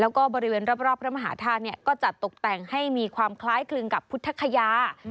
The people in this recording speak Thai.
แล้วก็บริเวณรอบพระมหาธาตุก็จัดตกแต่งให้มีความคล้ายคลึงกับพุทธคยา